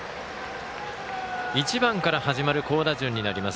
１番から始まる好打順になります。